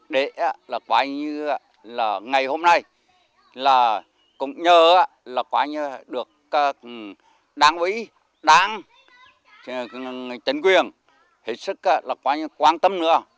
để là quả như là ngày hôm nay là cũng nhớ là quả như được đáng ủy đáng tình quyền hết sức là quả như quan tâm nữa